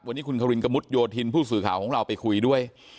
วันนี้คุณควินกระมุดโยธินผู้สื่อข่าวของเราไปคุยด้วย